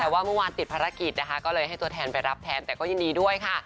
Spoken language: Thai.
แต่ว่าเมื่อวานติดภารกิจนะคะก็เลยให้ตัวแทนไปรับแทนแต่ก็ยินดีด้วยค่ะ